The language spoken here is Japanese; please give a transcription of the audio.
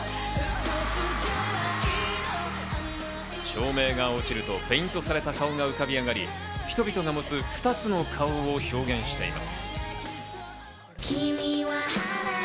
照明が落ちるとペイントされた顔が浮かび上がり、人々が持つ２つの顔を表現しています。